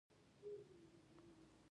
امید د ژوند د تیاره لارو څراغ دی.